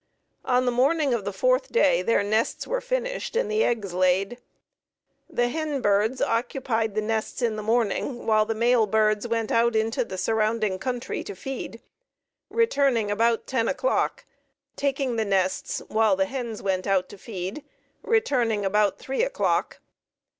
On the morning of the fourth day their nests were finished and eggs laid. The hen birds occupied the nests in the morning, while the male birds went out into the surrounding country to feed, returning about ten o'clock, taking the nests, while the hens went out to feed, returning about three o'clock.